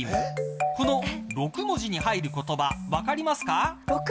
この６文字に入る言葉分かりますか。